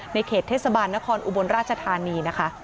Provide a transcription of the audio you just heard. เขตเทศบาลนครอุบลราชธานีนะคะ